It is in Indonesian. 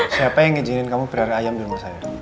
siapa yang ngejinin kamu berlari lari ayam dulu mas al